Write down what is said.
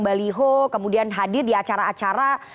baliho kemudian hadir di acara acara